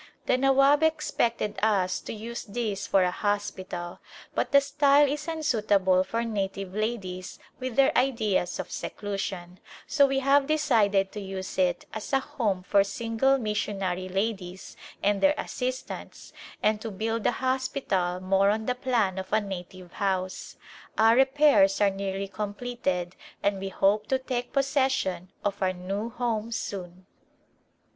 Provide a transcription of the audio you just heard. The Nawab expected us to use this for a hospital, but the style is unsuitable for native ladies with their ideas of seclusion, so we have decided to use it as a A Glimpse of India home for single missionary ladies and their assistants and to build a hospital more on the plan of a native house. Our repairs are nearly completed and we hope to take possession of our new home soon.